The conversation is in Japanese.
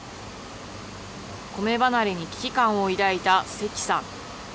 米離れに危機感を抱いた関さん。